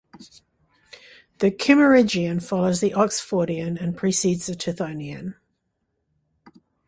The Kimmeridgian follows the Oxfordian and precedes the Tithonian.